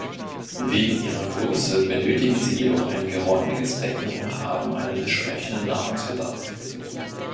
Wegen ihrer Größe benötigen sie jedoch ein geräumiges Becken und haben einen entsprechenden Nahrungsbedarf.